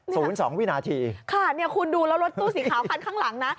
สองวินาทีค่ะเนี่ยคุณดูแล้วรถตู้สีขาวคันข้างหลังนะ